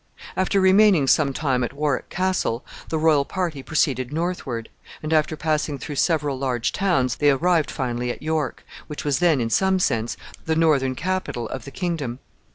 After remaining some time at Warwick Castle, the royal party proceeded northward, and, after passing through several large towns, they arrived finally at York, which was then, in some sense, the northern capital of the kingdom.